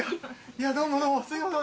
いやあどうもどうもすいません